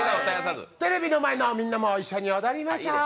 テレビの前のみんなも一緒に踊りましょう。